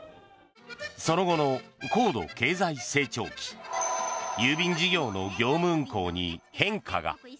その後の高度経済成長期郵便事業の業務運行に変化が。